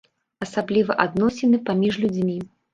Асабліва адносіны паміж людзьмі.